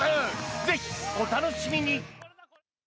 ぜひお楽しみに！